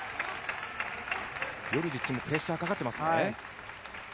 ヨルジッチもプレッシャーかかってますね。